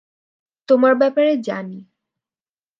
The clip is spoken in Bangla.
তোমার ব্যাপারে জানি।